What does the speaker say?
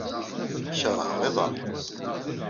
Keṛheɣ iḍan.